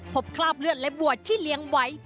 คราบเลือดและวัวที่เลี้ยงไว้